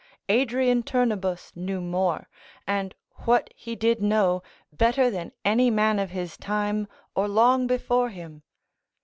Adrian Turnebus knew more, and what he did know, better than any man of his time, or long before him.